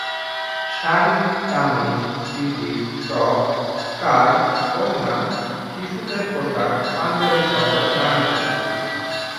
Sari, kameez, three piece, top, scarf, ওড়না, শিশুদের পোশাক, পাঞ্জাবিসহ নানা কিছু।